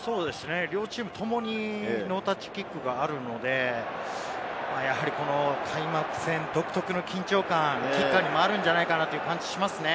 両チーム共にノータッチキックがあるので、やはり開幕戦独特の緊張感、キッカーにもあるんじゃないかなという感じがしますね。